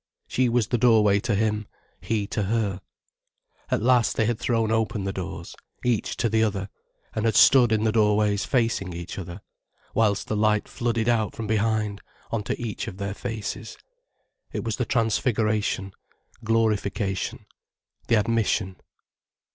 She was the doorway to him, he to her. At last they had thrown open the doors, each to the other, and had stood in the doorways facing each other, whilst the light flooded out from behind on to each of their faces, it was the transfiguration, glorification, the admission.